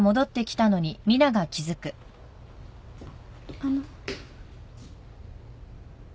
あの。